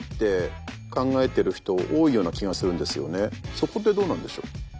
そこってどうなんでしょう？